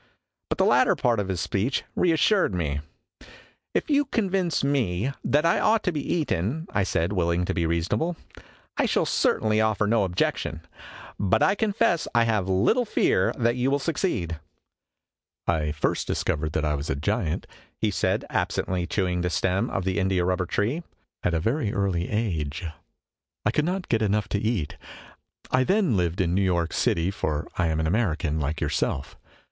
But the latter part of his speech reassured me. 4 /^;! I '' I "'AHA, YOU 'RE THERE, ARE YOU ?'" 13 IMAGINOTIONS " If you can convince me that I ought to be eaten," I said, willing to be reasonable, " I shall certainly offer no objection. But I confess I have little fear that you will succeed." " I first discovered that I was a giant," he said, absently chewing the stem of the India rubber tree, "at a very early age. I could not get enough to eat. I then lived in New York City, for I am an American, like yourself."